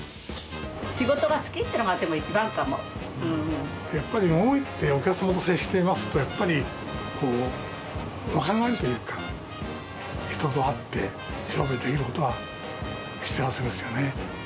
仕事が好きっていうのが、やっぱりお客様と接していますと、やっぱり若返るというか、人と会って、商売できることは幸せですよね。